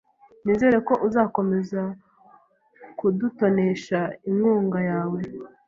Nizere ko uzakomeza kudutonesha inkunga yawe .